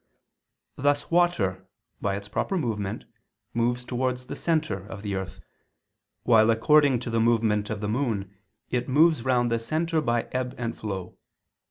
Thus water by its proper movement moves towards the centre (of the earth), while according to the movement of the moon, it moves round the centre by ebb and flow.